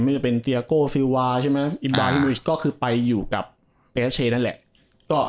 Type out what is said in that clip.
ไม่ได้เป็นเตียโกซิลวาอินดราฮินวิชก็คือไปอยู่กับเปรียสเชย์นั่นแหละ